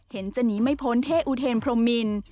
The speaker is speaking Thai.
จะหนีไม่พ้นเท่อุเทนพรมมิน